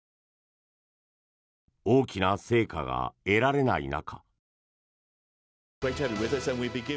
大きな成果が得られない中。